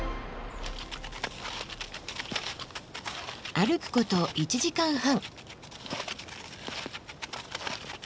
歩くこと１時間半。